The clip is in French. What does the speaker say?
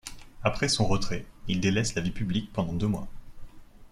Après son retrait, il délaisse la vie publique pendant deux mois.